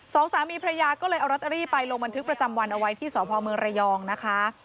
สองสามีพระยาก็เลยเอาลอตเตอรี่ไปลงบันทึกประจำวันเอาไว้ที่สพเมืองระยองนะคะ